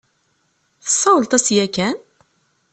Tesawleḍ-as yakan?